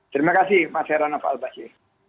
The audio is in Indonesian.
terima kasih mp herana fahad bajie